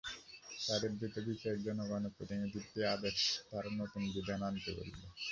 তাঁদের দ্রুত বিচারের জন্য গণপ্রতিনিধিত্ব আদেশে তারা নতুন বিধান আনতে বলল।